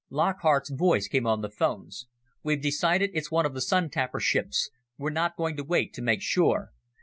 Lockhart's voice came on the phones. "We've decided it's one of the Sun tapper ships. We're not going to wait to make sure.